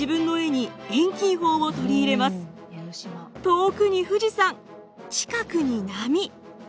遠くに富士山近くに波。